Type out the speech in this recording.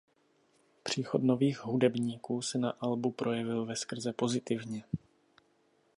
Příchod nových hudebníků se na albu projevil veskrze pozitivně.